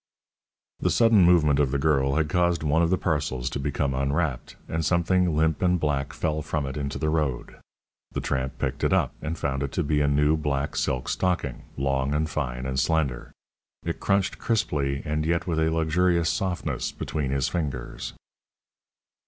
The sudden movement of the girl had caused one of the parcels to become unwrapped, and something limp and black fell from it into the road. The tramp picked it up, and found it to be a new black silk stocking, long and fine and slender. It crunched crisply, and yet with a luxurious softness, between his fingers.